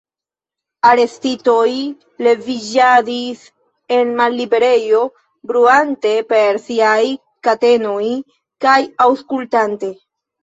Arestitoj leviĝadis en malliberejo, bruante per siaj katenoj kaj aŭskultante.